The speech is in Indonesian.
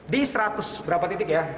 di seratus berapa titik ya